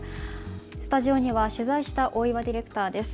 スタジオには取材した大岩ディレクターです。